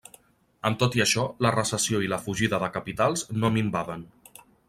Amb tot i això, la recessió i la fugida de capitals no minvaven.